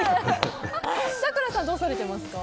咲楽さんはどうされてますか？